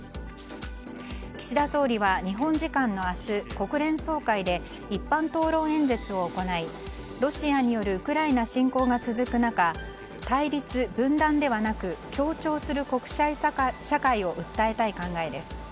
岸田総理は、日本時間の明日国連総会で一般討論演説を行いロシアによるウクライナ侵攻が続く中対立、分断ではなく協調する国際社会を訴えたい考えです。